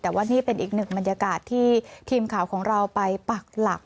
แต่ว่านี่เป็นอีกหนึ่งบรรยากาศที่ทีมข่าวของเราไปปักหลัก